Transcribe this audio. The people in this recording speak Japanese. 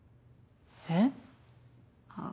えっ？